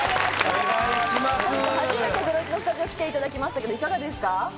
初めて『ゼロイチ』のスタジオ来ていただきましたが、いかがですか？